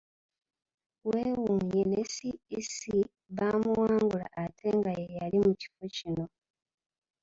Wewuunye ne CEC bamuwangula ate nga ye yali mu kifo kino.